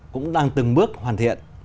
cũng đang từng bước hoàn thiện